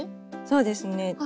そうですね。